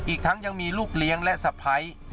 อีกทั้งยังมีลูกเลี้ยงและสะพ้าย